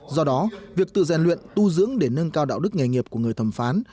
do đó việc tự rèn luyện tu dưỡng để nâng cao đạo đức nghề nghiệp của người thẩm phán